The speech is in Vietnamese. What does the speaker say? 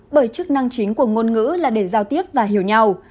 bởi chức năng chính của ngôn ngữ là để giao tiếp và hiểu nhau